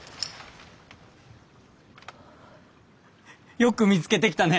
よく見つけてきたね！